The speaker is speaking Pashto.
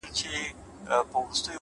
هر سهار نوی امکان له ځان سره راوړي،